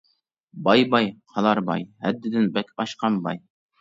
باي-باي، قالار باي، ھەددىدىن بەك ئاشقان باي.